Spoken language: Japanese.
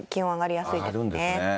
上がるんですね。